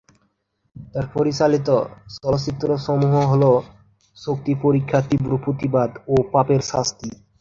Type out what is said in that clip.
তার পরিচালিত চলচ্চিত্রসমূহ হল "শক্তি পরীক্ষা", "তীব্র প্রতিবাদ", ও "পাপের শাস্তি"।